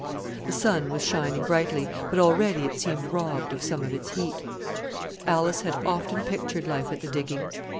The sun was shining brightly, but already it seemed robbed of some of its heat. Alice had often pictured life at the diggings.